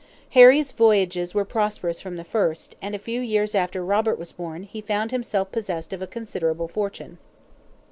Harry's voyages were prosperous from the first, and a few years after Robert was born, he found himself possessed of a considerable fortune.